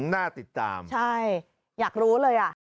น่าติดตามอยากรู้เลย